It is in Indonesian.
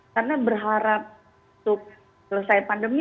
karena berharap untuk selesai pandemi